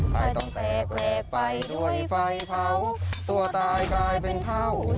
ไฟต้องแตกไปด้วยไฟเผาตัวตายกลายเป็นเท่า